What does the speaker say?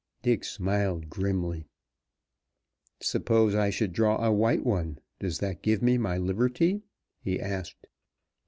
Dick smiled grimly. "Suppose I should draw a white one, does that give me my liberty?" he asked.